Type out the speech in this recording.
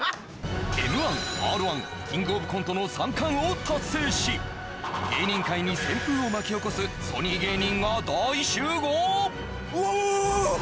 Ｍ−１Ｒ−１キングオブコントの３冠を達成し芸人界に旋風を巻き起こすソニー芸人が大集合うわわわ